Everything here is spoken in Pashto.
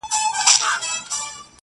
• څه دي زده نه کړه د ژوند په مدرسه کي..